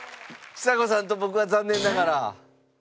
ちさ子さんと僕は残念ながら。